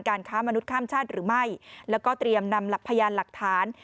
ค้ามนุษย์ข้ามชาติหรือไม่แล้วก็เตรียมนำหลักพยานหลักฐาน